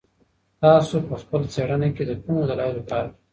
تاسو په خپله څېړنه کي له کومو دلایلو کار اخلئ؟